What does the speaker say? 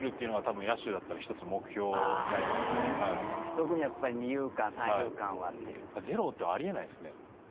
特にやっぱり二遊間三遊間はっていう。